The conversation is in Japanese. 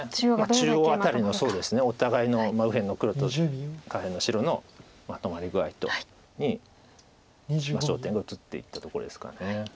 中央辺りのお互いの右辺の黒と下辺の白のまとまり具合に焦点が移っていったところですか。